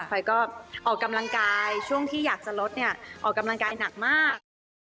ไฟก็ออกกำลังกายช่วงที่อยากจะลดเนี่ยออกกำลังกายหนักมาก